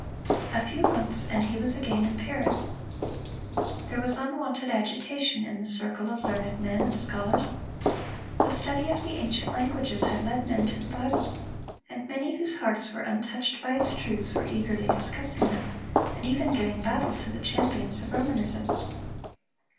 A few months, and he was again in Paris. There was unwonted agitation in the circle of learned men and scholars. The study of the ancient languages had led men to the Bible, and many whose hearts were untouched by its truths were eagerly discussing them, and even giving battle to the champions of Romanism.